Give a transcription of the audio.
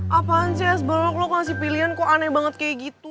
hah apaan sih asbalok lo kasih pilihan kok aneh banget kayak gitu